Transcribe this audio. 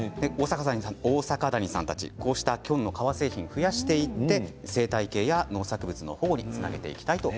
大阪谷さんたち、こうしたキョンの革製品を増やしていって生態系や農作物の保護につなげていきたい